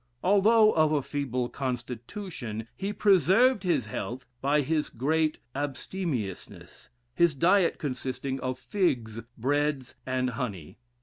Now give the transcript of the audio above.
Although of a feeble constitution, he preserved his health by his great abstemiousness, his diet consisting of figs, bread, and honey.